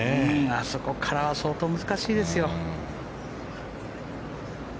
あそこからは相当難しいですよ。